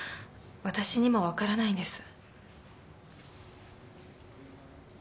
私にもわからないんです。